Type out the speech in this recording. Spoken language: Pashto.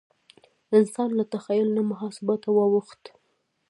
انسان له تخیل نه محاسبه ته واوښت.